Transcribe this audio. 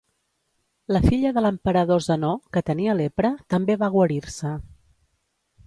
La filla de l'emperador Zenó, que tenia lepra, també va guarir-se.